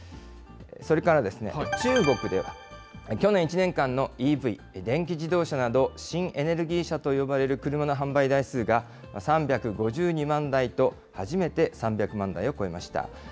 それから中国では、去年１年間のＥＶ・電気自動車など、新エネルギー車と呼ばれる車の販売台数が、３５２万台と、初めて３００万台を超えました。